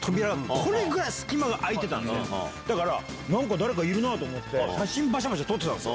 これぐらい隙間が開いてたんで誰かいるなと思って写真バシャバシャ撮ってたんです。